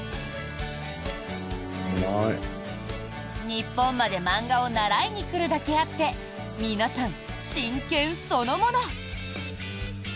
日本まで漫画を習いに来るだけあって皆さん、真剣そのもの。